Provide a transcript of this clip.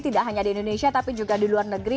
tidak hanya di indonesia tapi juga di luar negeri